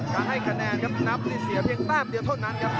การให้คะแนนครับนับนี่เสียเพียงแต้มเดียวเท่านั้นครับ